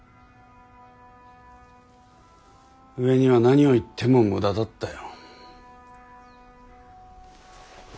上には何を言っても無駄だったよ。